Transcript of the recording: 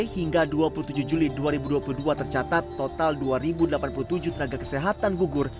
hingga dua puluh tujuh juli dua ribu dua puluh dua tercatat total dua delapan puluh tujuh tenaga kesehatan gugur